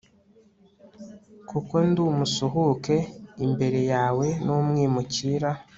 Kuko ndi umusuhuke imbere yawe N umwimukira